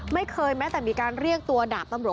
แม้แต่มีการเรียกตัวดาบตำรวจ